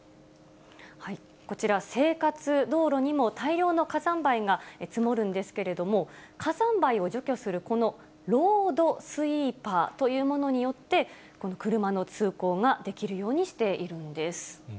こちら、生活道路にも大量の火山灰が積もるんですけれども、火山灰を除去するこのロードスイーパーというものによって、この車の通行ができるようにしているんです。